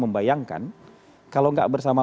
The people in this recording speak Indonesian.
membayangkan kalau enggak bersama